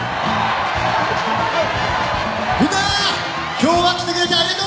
今日は来てくれてありがとう！